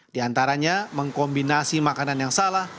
di antaranya mengkombinasi makanan yang salah